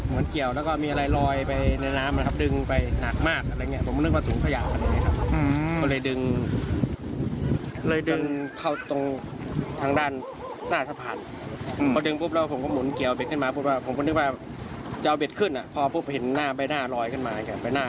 มืออย่างนี้ครับผมก็เลยโทษใจเลย